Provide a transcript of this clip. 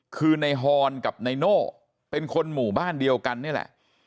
คือในฮอนกับนายโน่เป็นคนหมู่บ้านเดียวกันนี่แหละ